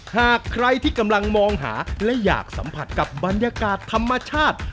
หากใครที่กำลังมองหาและอยากสัมผัสกับบรรยากาศธรรมชาติ